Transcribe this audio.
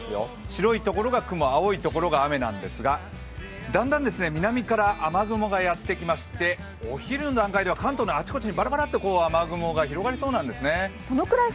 白い所が雲、青い所が雨なんですがだんだん南から雨雲がやってきましてお昼の段階では関東のあちこちにバラバラっと雨雲が広がりそうなんですね。